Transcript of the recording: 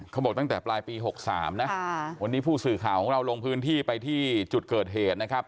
เขาบอกตั้งแต่ปลายปี๖๓นะวันนี้ผู้สื่อข่าวของเราลงพื้นที่ไปที่จุดเกิดเหตุนะครับ